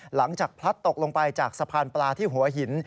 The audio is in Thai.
พลัดตกลงไปจากสะพานปลาที่หัวหิน